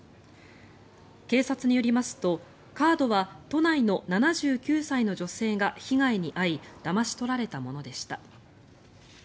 警察によりますとカードは都内の７９歳の女性が被害に遭いだまし取られたものでした。